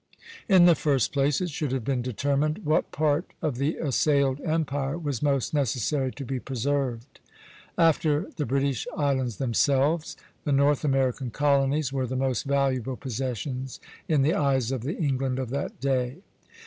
In the first place, it should have been determined what part of the assailed empire was most necessary to be preserved. After the British islands themselves, the North American colonies were the most valuable possessions in the eyes of the England of that day.